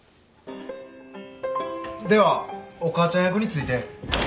ではお母ちゃん役について。